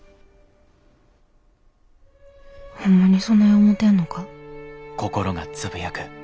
ほんまにそない思てんのか？